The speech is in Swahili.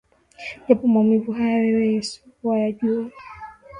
Japo maumivu haya wewe Yesu wayajua